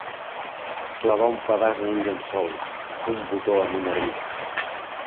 Clavar un pedaç en un llençol, un botó en un abric.